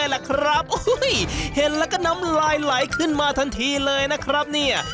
แหละครับเห็นแล้วก็น้ำลายไหลขึ้นมาทันทีเลยนะครับเนี่ย